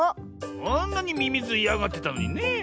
あんなにミミズいやがってたのにねえ。